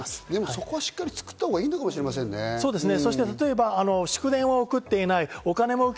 そこはしっかり作ったほうがいいかもしれませんね。